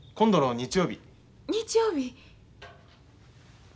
日曜日？